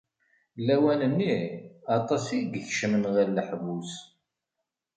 Lawan-nni, aṭas i ikecmen ɣer leḥbus.